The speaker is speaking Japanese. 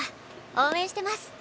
応援してます」